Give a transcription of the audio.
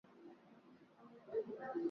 Ninapenda kuimba